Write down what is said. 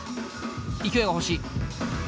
勢いが欲しい。